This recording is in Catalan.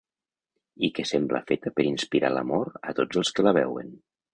I que sembla feta per inspirar l'amor a tots els que la veuen.